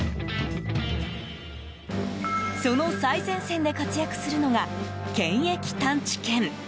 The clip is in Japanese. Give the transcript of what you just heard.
その最前線で活躍するのが検疫探知犬。